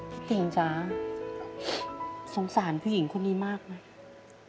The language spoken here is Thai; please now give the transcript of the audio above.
พี่ติ๋งจ๊ะสงสารผู้หญิงคนนี้มากนะ